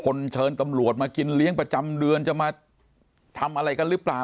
เชิญตำรวจมากินเลี้ยงประจำเดือนจะมาทำอะไรกันหรือเปล่า